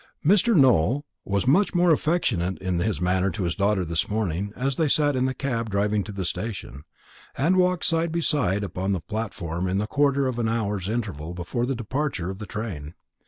Mr. Nowell was much more affectionate in his manner to his daughter this morning, as they sat in the cab driving to the station, and walked side by side upon the platform in the quarter of an hour's interval before the departure of the train.